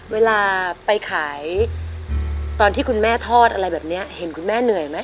เวลาไปขายตอนที่คุณแม่ทอดอะไรแบบนี้เห็นคุณแม่เหนื่อยไหม